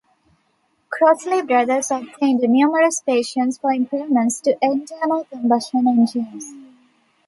Crossley Brothers obtained numerous patents for improvements to internal combustion engines.